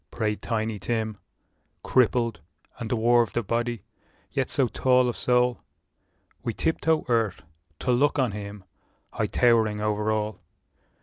" prayed Tiny Tim, Crippled, and dwarfed of body, yet so tall Of soul, we tiptoe earth to look on him, High towering over all.